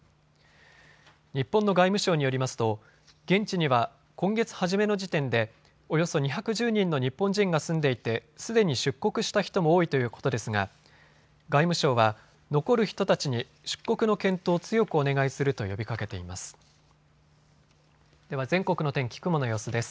日本の外務省によりますと現地には今月初めの時点でおよそ２１０人の日本人が住んでいて、すでに出国した人も多いということですが外務省は残る人たちに出国の検討を強くお願いすると呼びかけています。